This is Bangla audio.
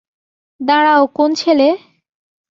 দাঁড়াও, কোন ছেলে?